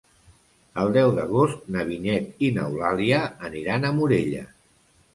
El deu d'agost na Vinyet i n'Eulàlia aniran a Morella.